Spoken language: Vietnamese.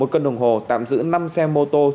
một cân đồng hồ tạm giữ năm xe mô tô